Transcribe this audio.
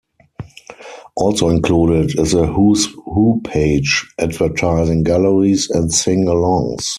Also included is a who's who page, advertising galleries and sing-alongs.